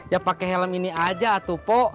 ya pakai helm ini aja tupok